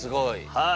はい！